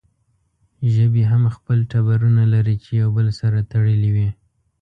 ژبې هم خپل ټبرونه لري چې يو بل سره تړلې وي